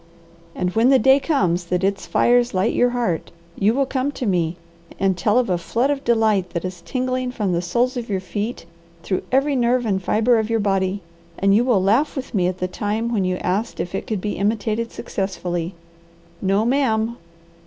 And when the day comes that its fires light your heart, you will come to me, and tell of a flood of delight that is tingling from the soles of your feet through every nerve and fibre of your body, and you will laugh with me at the time when you asked if it could be imitated successfully. No, ma'am!